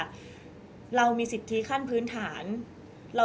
ก็ต้องฝากพี่สื่อมวลชนในการติดตามเนี่ยแหละค่ะ